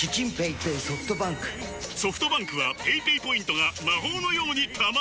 ソフトバンクはペイペイポイントが魔法のように貯まる！